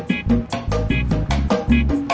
sekalian sama si tepe